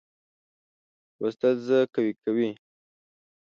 لوستل زه قوي کوي.